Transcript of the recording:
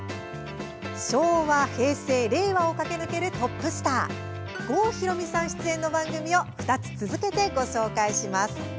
昭和・平成・令和を駆け抜けるトップスター・郷ひろみさん出演の番組を２つ続けてご紹介します。